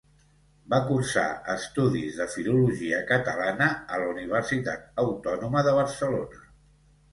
Va cursar estudis de Filologia Catalana a la Universitat Autònoma de Barcelona.